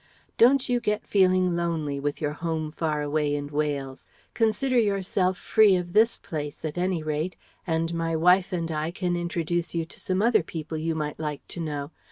Don't you get feeling lonely, with your home far away in Wales. Consider yourself free of this place at any rate, and my wife and I can introduce you to some other people you might like to know.